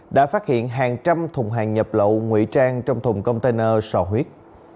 đã phát hiện hàng trăm thùng hàng nhập lậu ngụy trang trong thùng container sò huyết